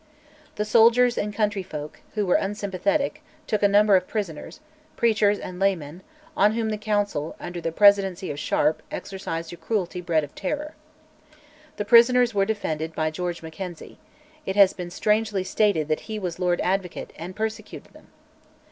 The soldiers and countryfolk, who were unsympathetic, took a number of prisoners, preachers and laymen, on whom the Council, under the presidency of Sharp, exercised a cruelty bred of terror. The prisoners were defended by George Mackenzie: it has been strangely stated that he was Lord Advocate, and persecuted them!